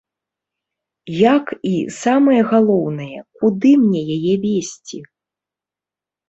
Як і, самае галоўнае, куды мне яе везці?